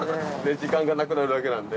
時間がなくなるだけなんで。